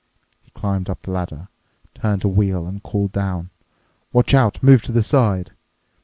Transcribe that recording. He jumped up the ladder, turned a wheel, and called down, "Watch out—move to the side!"